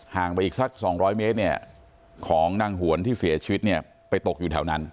ห่างไปอีกสัก๒๐๐เมตรของนางหวนที่เสียชีวิตไปตกอยู่แถวนั้น